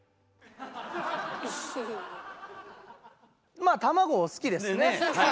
まあ卵好きですね。